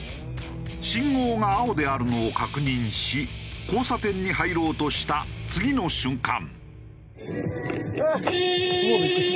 信号が青であるのを確認し交差点に入ろうとした次の瞬間。